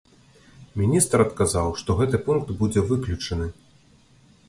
Міністр адказаў, што гэты пункт будзе выключаны.